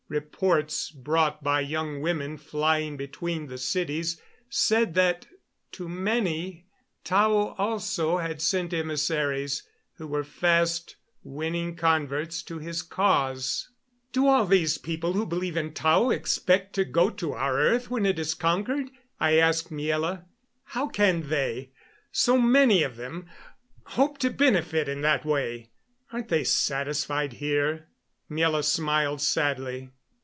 Reports brought by young women flying between the cities said that to many Tao also had sent emissaries who were fast winning converts to his cause. "Do all these people who believe in Tao expect to go to our earth when it is conquered?" I asked Miela. "How can they so many of them hope to benefit in that way? Aren't they satisfied here?" Miela smiled sadly.